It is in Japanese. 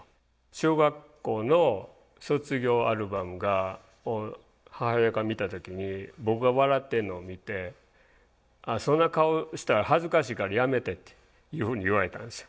小学校の卒業アルバムを母親が見た時に僕が笑ってるのを見て「そんな顔したら恥ずかしいからやめて」っていうふうに言われたんですよ。